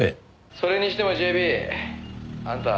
「それにしてもＪＢあんた